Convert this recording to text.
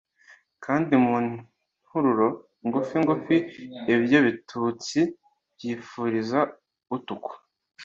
kandi mu ntururo ngufi ngufi lbyo bitutsi byifuriza utukwa